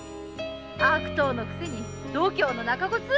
悪党のくせに度胸のなかこつ。